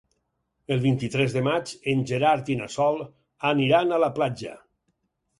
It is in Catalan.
El vint-i-tres de maig en Gerard i na Sol aniran a la platja.